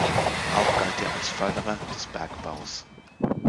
Auch galt er als Förderer des Bergbaus.